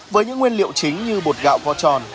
với những nguyên liệu chính như bột gạo vo tròn